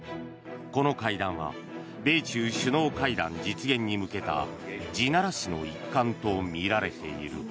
この会談は米中首脳会談実現に向けた地ならしの一環とみられている。